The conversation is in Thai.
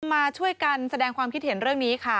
มาช่วยกันแสดงความคิดเห็นเรื่องนี้ค่ะ